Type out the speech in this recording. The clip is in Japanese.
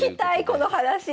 この話！